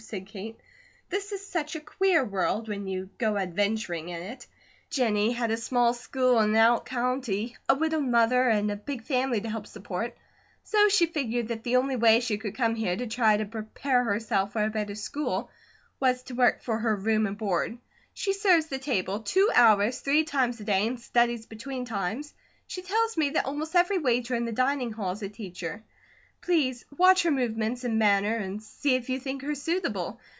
said Kate. "This is such a queer world, when you go adventuring in it. Jennie had a small school in an out county, a widowed mother and a big family to help support; so she figured that the only way she could come here to try to prepare herself for a better school was to work for her room and board. She serves the table two hours, three times a day, and studies between times. She tells me that almost every waiter in the dining hall is a teacher. Please watch her movements and manner and see if you think her suitable.